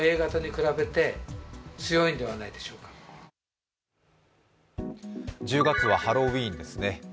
更に１０月はハロウィーンですね。